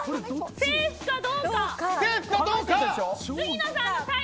セーフかどうか。